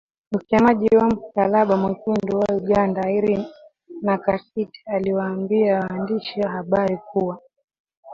Msemaji wa Msalaba Mwekundu wa Uganda Irene Nakasita aliwaambia waandishi wa habari kuwa